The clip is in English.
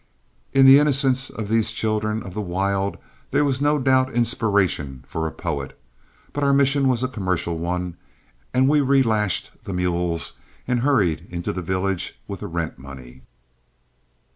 In the innocence of these children of the wild there was no doubt inspiration for a poet; but our mission was a commercial one, and we relashed the mules and hurried into the village with the rent money.